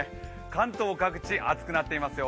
関東各地、暑くなっていますよ。